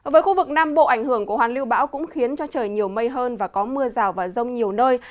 với khu vực nam bộ ảnh hưởng của hoàn lưu bão cũng khiến cho trời nhiều mây hơn và có mưa rào và rông nhiều nơi